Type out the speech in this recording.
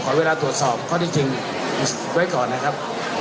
เวลาตรวจสอบข้อที่จริงไว้ก่อนนะครับ